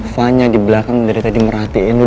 fahnya dibelakang dari tadi merhatiin lu